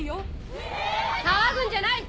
ええっ⁉騒ぐんじゃない！